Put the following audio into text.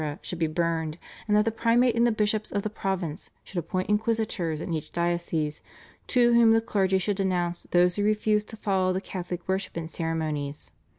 should be burned, and that the Primate and the bishops of the province should appoint inquisitors in each diocese, to whom the clergy should denounce those who refused to follow the Catholic worship and ceremonies.